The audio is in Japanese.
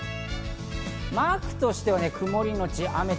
マークとしては曇りのち雨。